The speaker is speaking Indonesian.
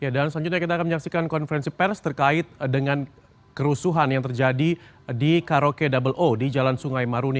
dan selanjutnya kita akan menyaksikan konferensi pers terkait dengan kerusuhan yang terjadi di karoke di jalan sungai maruni